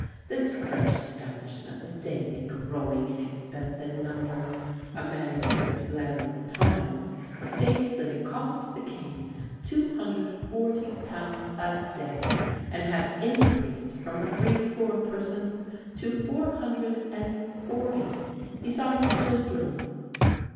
This French establishment was daily growing in expense and number; a manuscript letter of the times states that it cost the king £240 a day, and had increased from threescore persons to four hundred and forty, besides children!